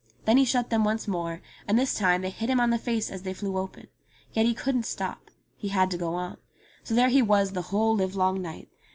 Then he shut them once more, and this time they hit him on the face as they flew open. Yet he couldn't stop ; he had to go on. So there he was the whole livelong night.